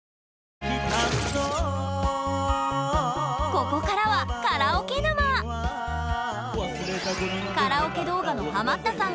ここからはカラオケ動画のハマったさんが